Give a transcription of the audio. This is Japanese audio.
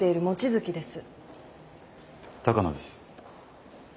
鷹野です。